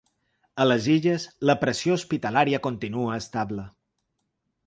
A les Illes, la pressió hospitalària continua estable.